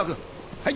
はい。